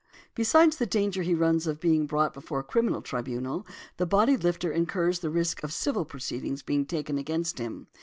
Besides the danger he runs of being brought before a criminal tribunal, the body lifter incurs the risk of civil proceedings being taken against him.